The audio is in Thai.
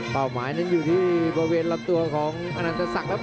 เป้าหมายนั้นอยู่ที่บริเวณลับตัวของอันนันทรัสสักครับ